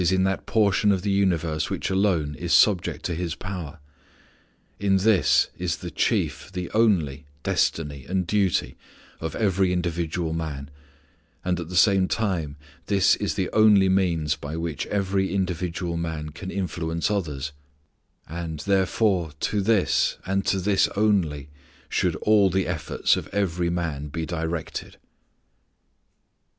_ in that portion of the universe which alone is subject to his power. In this is the chief, the only, destiny and duty of every individual man, and at the same time this is the only means by which every individual man can influence others; and, therefore, to this, and to this only, should all the efforts of every man be directed.